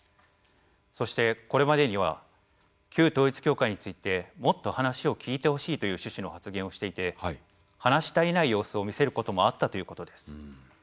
そして、これまでには旧統一教会についてもっと話を聞いてほしいという趣旨の発言をしていて話し足りない様子を見せることもあったということです。